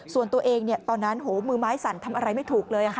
ส่วนตัวเองตอนนั้นมือไม้สั่นทำอะไรไม่ถูกเลย